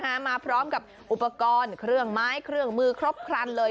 มาพร้อมกับอุปกรณ์เครื่องไม้เครื่องมือครบครันเลย